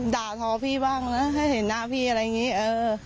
ด่าทอพี่บ้างนะให้เห็นหน้าพี่อะไรอย่างนี้